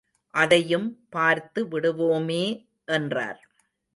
அதையும் பார்த்து விடுவோமே என்றார்.